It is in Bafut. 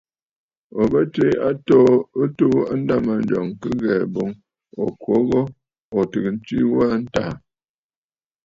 Ò bə tswe a atoo ɨ tuu a ndâmanjɔŋ kɨ ghɛ̀ɛ̀ boŋ ò kwo ghu ò tɨgə̀ ntswe ghu a ntàà.